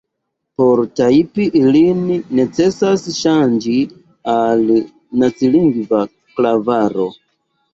Por tajpi ilin necesas ŝanĝi al nacilingva klavaro.